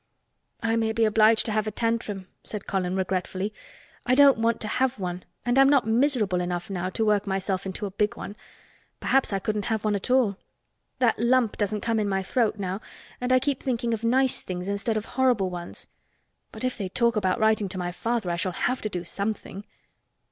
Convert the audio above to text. "I may be obliged to have a tantrum," said Colin regretfully. "I don't want to have one and I'm not miserable enough now to work myself into a big one. Perhaps I couldn't have one at all. That lump doesn't come in my throat now and I keep thinking of nice things instead of horrible ones. But if they talk about writing to my father I shall have to do something."